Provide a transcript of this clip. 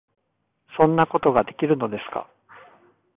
「そんなことができるのですか？」